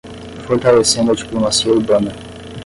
Fortalecendo a diplomacia urbana